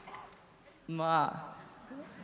まあ。